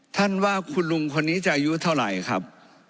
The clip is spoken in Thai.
ว่าคุณลุงคนนี้จะอายุเท่าไหร่ครับ